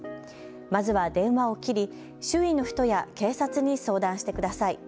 まずは電話を切り、周囲の人や警察に相談してください。